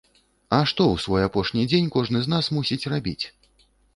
А што ў свой апошні дзень кожны з нас мусіць рабіць?